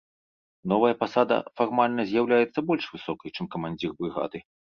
Новая пасада фармальна з'яўляецца больш высокай, чым камандзір брыгады.